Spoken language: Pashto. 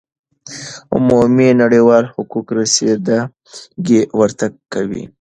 عمومی نړیوال حقوق رسیده ګی ورته کوی